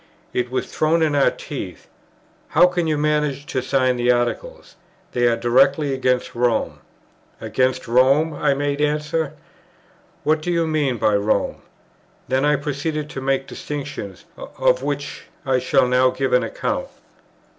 It was thrown in our teeth; "How can you manage to sign the Articles? they are directly against Rome." "Against Rome?" I made answer, "What do you mean by 'Rome?'" and then I proceeded to make distinctions, of which I shall now give an account.